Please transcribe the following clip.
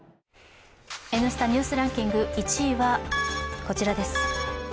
「Ｎスタ・ニュースランキング」１位はこちらです。